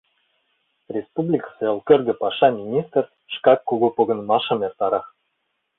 Республикысе элкӧргӧ паша министр шкак кугу погынымашым эртара.